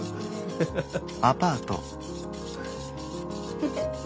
フフフッ。